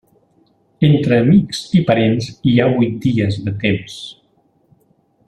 Entre amics i parents hi ha vuit dies de temps.